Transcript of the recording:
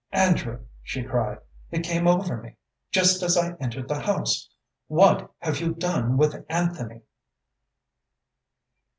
"Andrew!" she cried. "It came over me just as I entered the house! What have you done with Anthony?"